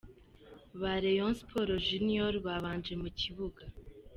ba Rayon Sports Junior babanje mu kibuga.